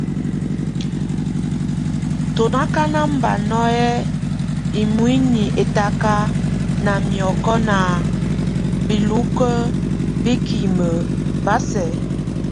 Tu ákan bá nakʼ imuiny ɛtáka, na miɔkɔ na bilúke bikimek, bá sɛ.